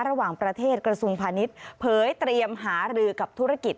ระหว่างประเทศกระทรวงพาณิชย์เผยเตรียมหารือกับธุรกิจ